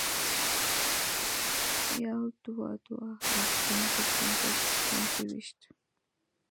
يو دوه دوه او پنځه پنځه پنځویشت